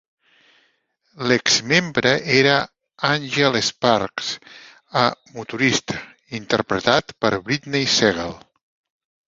L'ex-membre era Angel Sparks, a motorista, interpretat per Brittney Segal.